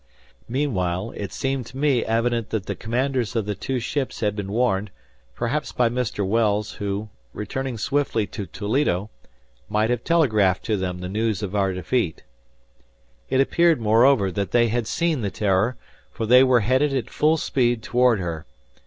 Meanwhile, it seemed to me evident that the commanders of the two ships had been warned, perhaps by Mr. Wells who, returning swiftly to Toledo, might have telegraphed to them the news of our defeat. It appeared, moreover, that they had seen the "Terror," for they were headed at full speed toward her.